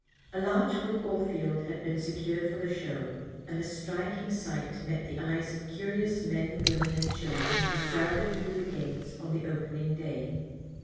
A large football field had been secured for the show, and a striking sight met the eyes of curious men, women and children, who crowded through the gates on the opening day.